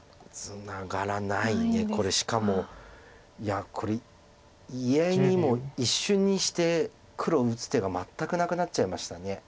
これしかもいやこれ意外にも一瞬にして黒打つ手が全くなくなっちゃいました。